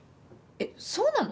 えっそうなの？